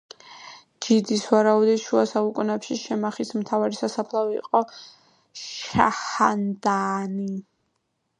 ჯიდის ვარაუდით, შუა საუკუნეებში შემახის მთავარი სასაფლაო იყო შაჰანდანი.